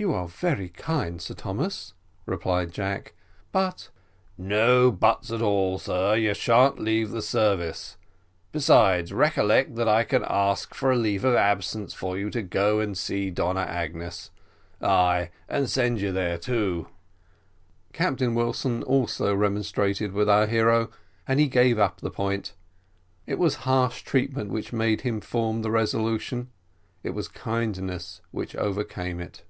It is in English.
"You are very kind, Sir Thomas," replied Jack, "but " "No buts at all, sir you shan't leave the service; besides, recollect that I can ask for leave of absence for you to go and see Donna Agnes ay, and send you there too." Captain Wilson also remonstrated with our hero, and he gave up the point. It was harsh treatment which made him form the resolution, it was kindness which overcame it.